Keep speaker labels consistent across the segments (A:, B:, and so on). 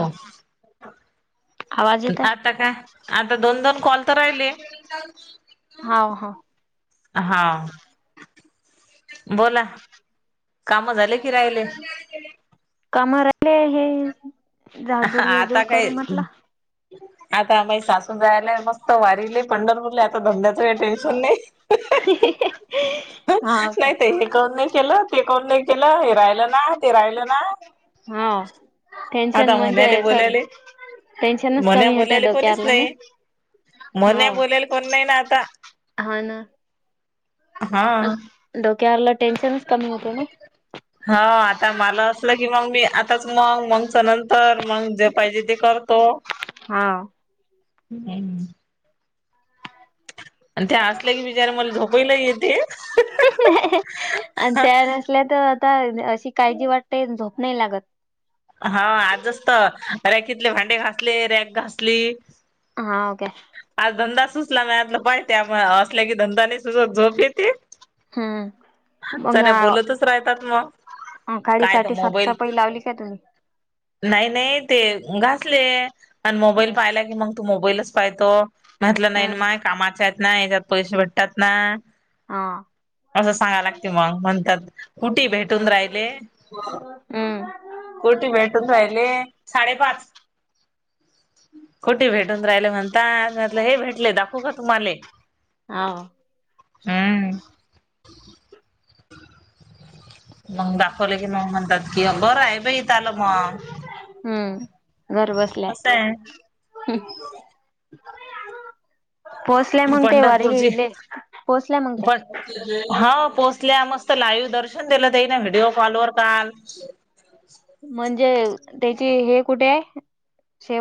A: हो.
B: आवाज येत आहे
A: आता का आता दोन दोन कॉल तर राहिले
B: हाव हाव
A: हा. बोला काम झाले की राहिले?
B: काम राहिले हे झाडझूड बिडझूड करू म्हटल
A: ह आता माय सासू जायलाय मस्त वारीले पंढरपूरला आता धंद्याचं काही टेन्शन नाही
B: हाव का
A: नाही ते हे करून नाही केलं ते कोण नाही केलं हे राहिलं ना, ते राहिलं ना
B: हा. टेन्शन
A: आता
B: म्हणजे
A: म्हणाले
B: अस
A: बोलायले
B: टेन्शनच
A: म्हण्या
B: कमी होते
A: बोलायले कोणीच
B: डोक्याला नाय.
A: नाही म्हण्या
B: हाव
A: बोलायला कोण नाही ना आता
B: हा ना
A: हा.
B: डोक्याला टेनशनच कमी होते ना
A: हा आता मला असलं की मग मी आताच मग मगच नंतर मग जे पाहिजे ते कर तो
B: हा.
A: हम्म. त्या असल्या की बिचाऱ्या मला झोपायला येते
B: आपल्या तर आता अशी काळजी वाटते अन झोप नाही लागत
A: हा आजच तर रॅकीतले भांडे घासले, रॅक घासली.
B: हां ओके.
A: आज धंदा सुचला नाही [unintelligible] प त्यामुळ असल्या की धंदा नाही सुचत झोप येते
B: हम्म
A: चले बोलतच रायतात मग
B: अ खाडी
A: काय तर
B: साठी
A: मोबाईल
B: साफसफई लावली का तुम्ही?
A: नाही नाही ते घासले आणि मोबाईल
B: हम्म
A: पाहिला की मग तू मोबाईलच पायतो म्हटलं, नाही ना
B: हम्म
A: माय? कामाच्यायात ना? याच्यात पैसे भेटतात ना?
B: हा
A: असं सांगा लागते मग. म्हणतात, कुठे भेटून राहिले?
B: हम. [inaudible]
A: कुटी भेटून राहिले साडेपाच. कोटे, भेटून राहिले म्हणतात? म्हटलं, हे भेटले. दाखवू का तुम्हाले?
B: हाव
A: हम्म. मग दाखवले की, मग म्हणतात. की बरंय, बाई त्यालं मग.
B: हम्म. घर बसल्या.
A: कसं आहे
B: [inaudible] पोहोचलाय मनते. वारी
A: पंढरपूरची
B: गेले, पोहोचलाय मनते.
A: हा पोचल्या. मस्त लाईव्ह दर्शन दिलं त्याईन. व्हिडिओ कॉलवर काल.
B: म्हणजे, त्याची हे कुठेय?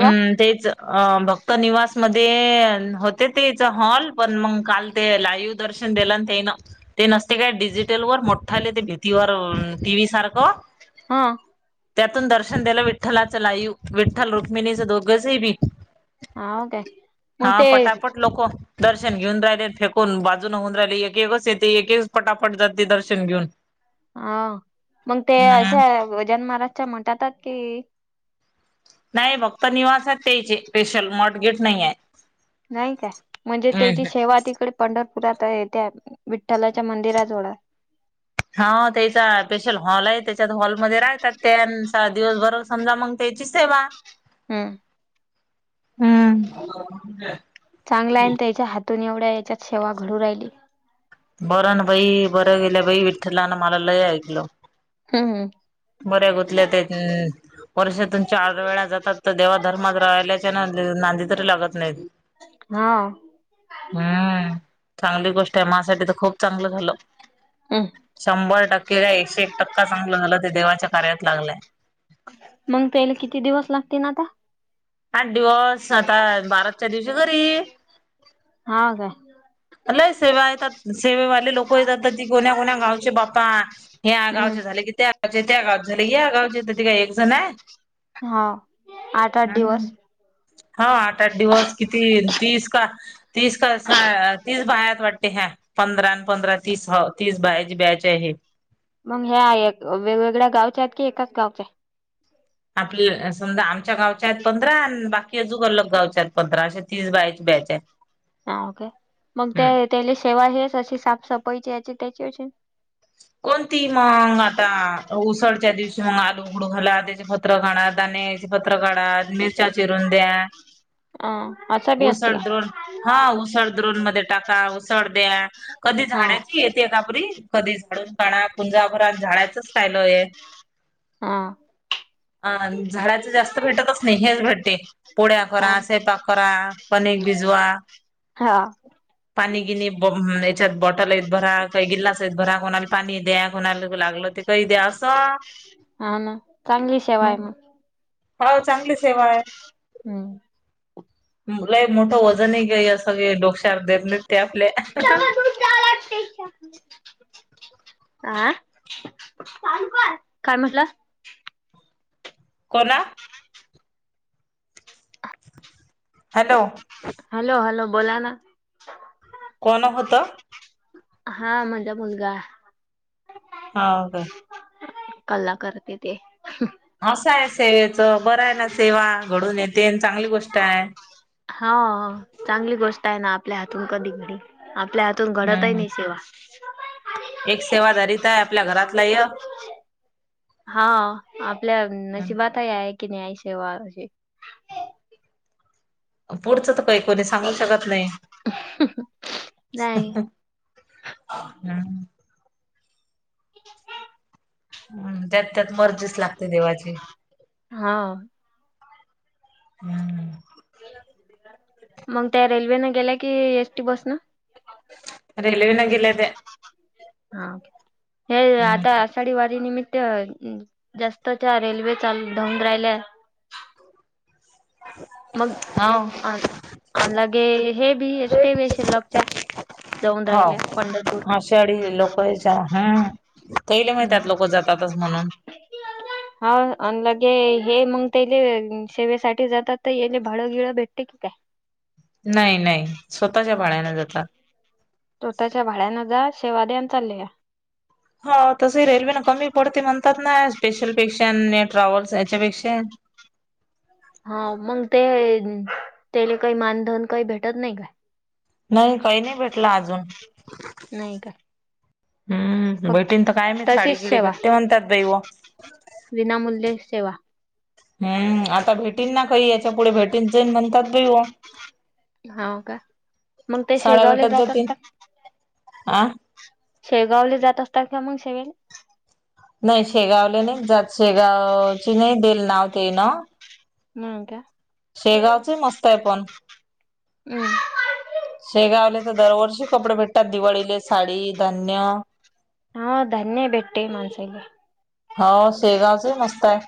A: हम्म, तेच. अ भक्त निवास मध्ये अ होते तेच हॉल. पण मग काल ते लाईव दर्शन देल न त्यायन. ते नसते काय, डिजिटलवर. मोठ्ठाले ते, भीतीवर टी व्ही सारखं.
B: हा.
A: त्यातून दर्शन द्यालं विठ्ठलाचं लाईव. विठ्ठल रुक्मिणीचं, दोघंच बी.
B: हा काय मग
A: हा,
B: ते
A: पटापट लोकं दर्शन घेऊन राहिले. फेकून बाजून होऊन राहिले. एक- एकच येते. एकच, फटाफट जाते दर्शन घेऊन. [inaudible]
B: हा, मग ते
A: हम्म
B: अशा, गजानन महाराजच्या मठातत की
A: नाही फक्त निवासय त्याचे. पेशल मटगेट नाहीये.
B: नाही काय? म्हणजे त्याची सेवा तिकड पंढरपुरात आहे. त्या विठ्ठलाच्या मंदिरा जवळात
A: हा, तेईचा पेशल हॉलय, त्याच्यात हॉलमध्ये राहतात त्या. दिवसभर समजा, मग त्याची सेवा.
B: हम्.
A: हम्. [inaudible]
B: चांगलाय न त्यायाच्या हातून, एवढ्या याच्यात सेवा घडून राहिली.
A: बरं, ना बाई. बरं, गेल्या बाई. विठ्ठलान मला, लय ऐकलं.
B: हम, हम.
A: बऱ्या गुतल्या ते. अ वर्षातून चार वेळा जातात. तर देवा धर्मात राहिला नांदले - नादी तरी लागत नाहीत.
B: [inaudible] हा.
A: हम्म. चांगली गोष्टय. माझसाठी तर, खूप चांगलं झालं. शंभर टक्के काय? एकशे - एक टक्का चांगलं झालं. ते देवाच्या कार्यात लागलंय.
B: मग त्याले, किती दिवस? लागतील आता.
A: आठ दिवस. आता बारासच्या दिवशी घरी.
B: हा काय
A: लय सेवायत. सेवेवाले लोक [unintelligible] ती कोण्या कोण्या गावचे बा्पा. ह्या
B: हम्म
A: गावचे झाले की त्या अच्छा, त्या गावचे झाली या गावचे. तिथ काय, एक जनय.
B: हा. आठ - आठ
A: हम्म
B: दिवस.
A: हा, आठ - आठ दिवस. किती? तीस का तीस का, सा तीस बायात वाटते, ह्या. पंधरा अन् पंधरा तीस. हो, तीस बायाची बॅचय ही.
B: मग ह्या एक... वेगवेगळ्या गावच्या हेत, की एकाच गावच्या ए?
A: आपली... समजा, आमच्या गावच्या हेत पंधरा नं बाकी केजू अंलग गावच्यात हेत पंधरा, अशा तीस बायाची ब्याच ए.
B: हा ओके. मग ते... त्याले शेवा हेस अशी, साफसफाईची याची त्याची... अशी
A: कोणती मग... आता उसळच्या दिवशी, मग आलू उघडू घाला, त्याच्या फ त्र काढा, दाण्यांची पत्र काढा, मिरच्या चिरून द्या
B: अं... असाबी असतं
A: उसळ
B: का?
A: द्रोण हा, उसळ द्रोण मध्ये टाका, उसळ द्या... कधी
B: हा
A: झाडाची येते काबरी कधी झाडून काढा... कुंजाभरात झाडाचंच
B: हा
A: [unintelligible] अं... झाडाचं जास्त भेटतच नई... हेच भेटते. पोड्या
B: हा
A: करा, सैपाक करा, कणिक भिजवा
B: हा.
A: पाणी गिनी... बॉ... याच्यात बॉटलेत भरा... काई गिल्लास [unintelligible] भरा... कोणाला पाणी द्या, कोणाला लागलं, ते कही द्या... असं
B: हा ना... चांगली शेवा ये मग.
A: हाव... चांगली सेवा ए.
B: हू.
A: लई मोठं वजन ए गं... या सगळ्या डोकशात... देत नइत ते आपल्या
B: [unintelligible] आ... काय म्हटला?
A: कोना? हॅलो.
B: हलो हलो... बोला ना
A: कोण होतं?
B: हा... माझा मुलगा.
A: हा... काय?
B: कल्ला करते ते.
A: असं आहे सेवेचं... बरं हाये ना सेवा, घडून येते... अन चांगली गोष्ट ए.
B: हाव... चांगली गोष्ट ए ना... आपल्या हातून कधी घडेल, आपल्या हात हातून, घडतही
A: हम्म
B: नई सेवा
A: एक सेवाधारी... तं हाये... आपल्या घरातला यक
B: हा, आपल्या नशिबातही... आहे की नई आईसेवा अशी.
A: पुढचं तर काई, कुणी सांगू शकत नई.
B: नाही.
A: हम्म. हम्म, त्यात त्यात मर्जीच लागते देवाची.
B: हां.
A: हम्म.
B: मग त्या रेल्वेने गेल्या, की एसटी बसनं?
A: रेल्वेने गेल्या त्या.
B: हा ओके... हे आता
A: हम्म
B: आषाढी वारी निमित त्या... जास्तच्या रेल्वे चालू... धावू राहिल्या ना. मग... अन... अन लागे.... हे बी [unintelligible] च्या जाऊन
A: हाव
B: राहिल्या... पंढरपूर.
A: आषाढी लोक हम्म... त्येले
B: हं.
A: माहित्यात... लोकं जातातच म्हणून.
B: हा... अन, लगे... हे मग तेले... सेवेसाठी जातात तर... येले भाडं गिळं भेटते की काय?
A: नई नई... स्वतःच्या भाड्याने जातात.
B: तोतच्या भाड्यानं जा शेवा द्यान चाल्या.
A: हो तस रेल्वे न कमी पडते म्हणतात ना स्पेशल पेक्षा आणि ट्रॅव्हल्स याच्यापेक्षा
B: हा मग ते त्याला काही मानधन काही भेटत नाही काय?
A: नाही काही नाही भेटलं अजून.
B: नाही काय?
A: हम्म
B: फक्त
A: बेटीन तर काय मी साडी गिडी भेटते म्हणतात बै व
B: विनामूल्ये सेवा.
A: हम्म आता भेटीन ना काही याच्या पुढे भेटीन जाईन म्हणतात बैव
B: हो का मग ते शेगावले जातात का?
A: आह.
B: शेळगावले जात असतात काि मग शेवेला
A: नाही शेगावले नाही जात शेगावची नाही देल नाव ते ना.
B: हम् का हम्.
A: शेगावचे मस्त आहे पण शेगावले तर दरवर्षी कपडे भेटतात दिवाळीले साडी धान्य.
B: हा धन्य भेटे मनसेले.
A: हो शेगावच मस्त आहे.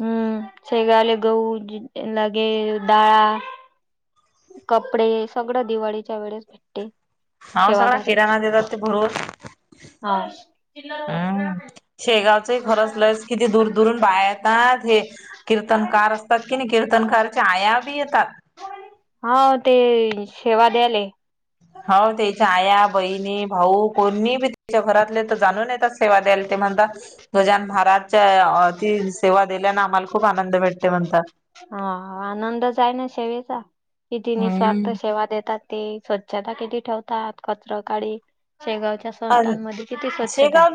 B: हम्म शेगावले गहू लगे डाळ कपडे सगळं दिवाळीच्या वेळेस भेटते.
A: हव सगळा
B: सेवाधारे
A: किराणा देतात ते भरून.
B: [unintelligible]
A: शेगावचं खरंच लस किती दूर दुरून बाहे येतात हे कीर्तनकार. तिथ की नाही कीर्तनकारच्या आया बी येतात.
B: हा ते सेवा द्याले.
A: हो तेच छाया, बहिणी, भाऊ कोणी बी त्याच्या घरातले तर जाणून येतात सेवा द्यायला ते म्हणता गजानन महाराजाच्या अ ती सेवा दिल्याने आम्हाला खूप आनंद भेटते म्हणतात.
B: हा आनंदच आहे ना सेवेचा किती
A: हम्म
B: निस्वार्थ सेवा देतात. ते स्वच्छता केली ठेवतात कचरा काळी शेगावच्या. संस्थांमध्ये किती स्वच्छता आहे.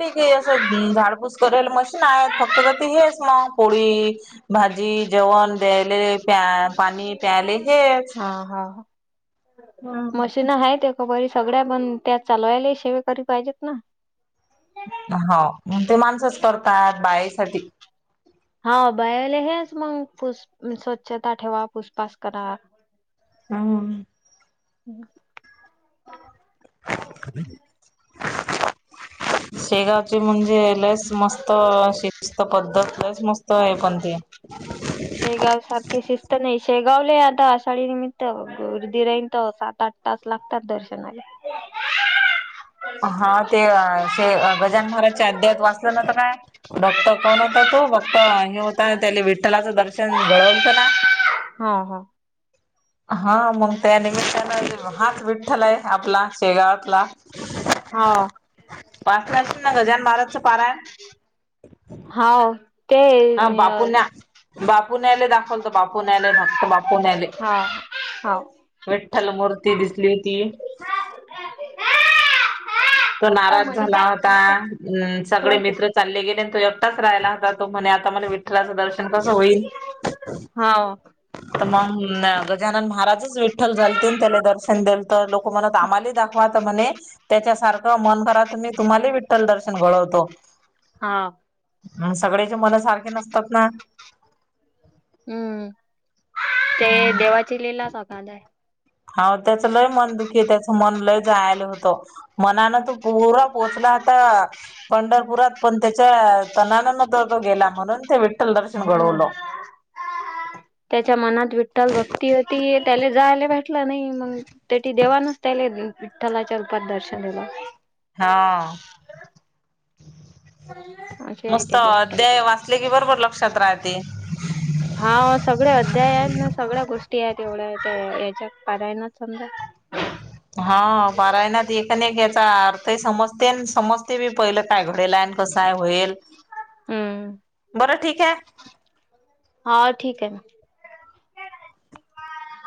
A: हम झाडपूस करेल मशीन आहेत फक्त तर ती हेच म पोळी भाजी, जेवण द्यायले प्या पाणी प्यायले हेच.
B: हा हा हा.
A: हम.
B: ना आहे का बरी सगळ्या पण त्यात चालवायलािशेव करी पाहिजेत ना.
A: हो मग ते माणसच करतात बाहेसाठी.
B: हा बायाले हेच मग पुस स्वच्छता ठेवा पुसपास करा.
A: ह.
B: हम्.
A: [inaudible] शेगावची म्हणजे लयस मस्त, शिस्त पद्धत लस मस्त आहे पण ते.
B: शेगाव सारखी शिस्त नाही शेगावला आता आषाढी निमित्त गधराईनंत सात, आठ. तास लागतात दर्शना.
A: [inaudible] हां तेे अ शे गजानन महाराजांच्या अध्यायात वाचलं नव्हतं काय? भक्त कोण होता तो? भक्त आणि हे होता त्याले विठ्ठलाचं दर्शन घडवलतं ना.
B: हां हा.
A: हा मंग त्या निमित्तानं हाच विठ्ठलाय आपला शेगावातला.
B: हाव
A: पाचला असणार ना गजान महाराजांच पारायण?
B: हाव ते अ
A: बापू न्यायले दाखवल बापू न्यायले फक्त बापू न्यायले.
B: हा हाव.
A: विठ्ठल मूर्ती दिसली हुती. तो नाराज झाला
B: मनीषा
A: होता सगळे मित्र चालले गेले अन् तो एकटाच राहिला होता. तो म्हणे आता मले विठ्ठलाचं दर्शन कसं होईल?
B: हांव.
A: तर मग गजानन महाराजच विठ्ठल झालतेन त्याला दर्शन देल तर लोकं म्हणतं आम्हालेही दाखवा आता म्हणे. त्याच्यासारखं मन भरा तुम्ही तुम्हालाही विठ्ठल दर्शन घडवतो.
B: हा.
A: म सगळ्याचे मन सारखे नसतात ना.
B: हम्म, ते देवाची लिलाच आखाद आय.
A: हाव त्याच लय मन दुखी आय त्याच मन लय जायले होतं. मनानं तो पूरा पोहचला होता. पंढरपुरात पण त्याच्या तणानन तर तो गेला म्हणून ते वि
B: हम्म त्याच्या मनात विठ्ठल भक्ती होती त्याला जायले भेट टलं नाई मंग तेटी देवानच त्याले विठ्ठलाच्या रूपात दर्शन दिलं.
A: हा.
B: अशी आहे
A: मस्त
B: ते गोष्ट
A: अध्याय वाचले की बरोबर लक्षात राहते.
B: हा सगळे अध्याय आयत ना सगळ्या गोष्टी आयत एवढ्या त्या याच्यात पारायनात समजा.
A: [inaudible] हा पारायणात एक न एक याचा अर्थ ही समजते अन समजते बी पहिलं काय घडेल आयन. कसं आय होयल.
B: हम्म.
A: बरं ठीक ए
B: हाव ठीक आय.